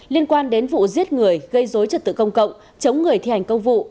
liên quan đến vụ giết người gây dối trật tự công cộng chống người thi hành công vụ